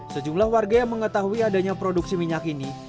sejumlah warga yang mengetahui adanya produksi minyak ini